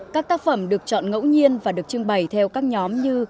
các tác phẩm được chọn ngẫu nhiên và được trưng bày theo các nhóm như